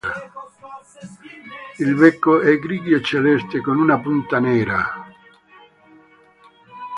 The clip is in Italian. Il becco è grigio-celeste con una punta nera.